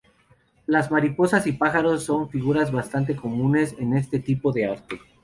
Las mariposas y pájaros son figuras bastante comunes en este tipo de arte.